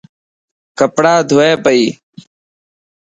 ڪپڙا ڌوئي پئي.